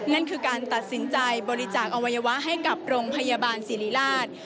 นั่นคือการตัดสินใจบริจาคอวัยวะให้กับโรงพยาบาลศิริราช